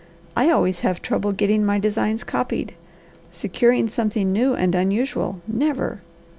I always have trouble getting my designs copied; securing something new and unusual, never!